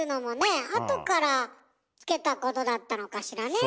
後からつけたことだったのかしらね？